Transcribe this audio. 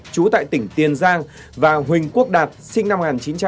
trú tại tỉnh tiền giang và huỳnh quốc đạt sinh năm một nghìn chín trăm chín mươi hai